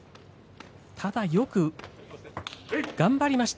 ただよく頑張りました